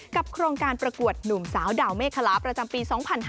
โครงการประกวดหนุ่มสาวดาวเมฆคลาประจำปี๒๕๕๙